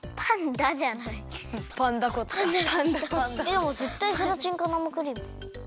でもぜったいゼラチンか生クリーム。